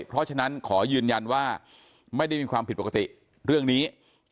เพราะฉะนั้นขอยืนยันว่าไม่ได้มีความผิดปกติเรื่องนี้